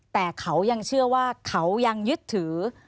แต่เขายังเชื่อว่าเขายังยึดถือ